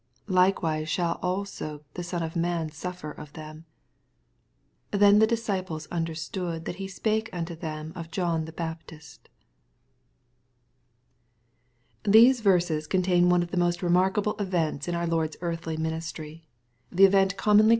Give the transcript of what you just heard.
Likewise shall also the Son of man suffer of them. 18 Then the disciples understood that he spake unto them of John the Baptist. These verses contain one of the most remarkahle events in our Lord's earthly ministry, — the event commonly MATTHEW^ CHAP. XVn.